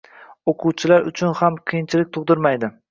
Oʻquvchilar uchun ham qiyinchilik tugʻdirmaydi.